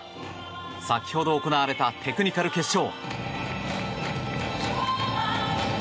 先ほど行われたテクニカル決勝。